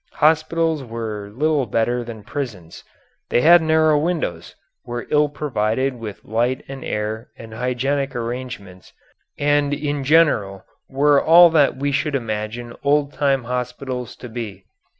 Hospitals were little better than prisons, they had narrow windows, were ill provided with light and air and hygienic arrangements, and in general were all that we should imagine old time hospitals to be.